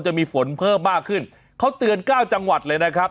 จะมีฝนเพิ่มมากขึ้นเขาเตือนเก้าจังหวัดเลยนะครับ